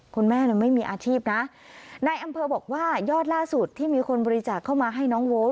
คุณแม่เนี่ยไม่มีอาชีพนะนายอำเภอบอกว่ายอดล่าสุดที่มีคนบริจาคเข้ามาให้น้องโฟ